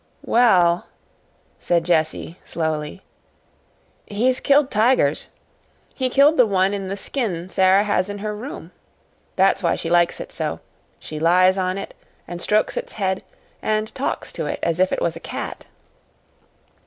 "Well," said Jessie, slowly, "he's killed tigers. He killed the one in the skin Sara has in her room. That's why she likes it so. She lies on it and strokes its head, and talks to it as if it was a cat."